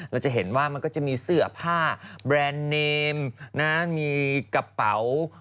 เราจะเห็นว่ามันก็จะมีเสื้อผ้าแบรนด์เนมมีกระเป๋า